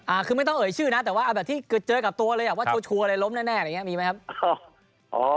อ่าคือไม่ต้องเอ่ยชื่อนะแต่เจอกับตัวเลยอะว่าโชว์ชัวร์อะไรล้มแน่แบบแบบนี้มีไหมครับ